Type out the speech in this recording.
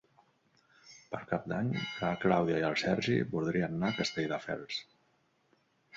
Per Cap d'Any na Clàudia i en Sergi voldrien anar a Castelldefels.